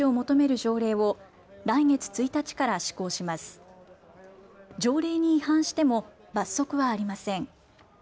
条例に違反しても罰則はありません。